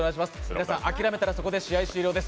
皆さん、諦めたら、そこで終わりです。